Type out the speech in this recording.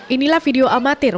inilah video amatir